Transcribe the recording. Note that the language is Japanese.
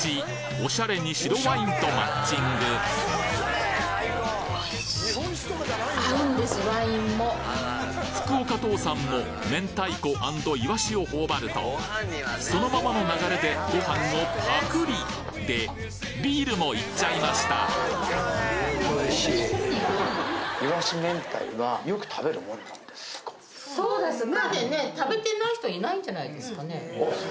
オシャレに白ワインとマッチング福岡父さんも明太子＆いわしを頬張るとそのままの流れでご飯をパクリでビールもいっちゃいましたそうですね。